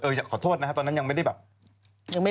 เออขอโทษนะตอนนั้นไม่ได้แบบ